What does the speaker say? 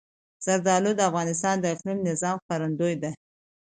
زردالو د افغانستان د اقلیمي نظام ښکارندوی ده.